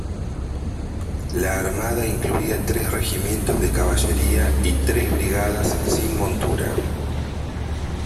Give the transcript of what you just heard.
La armada incluía tres regimientos de caballería y tres brigadas sin montura.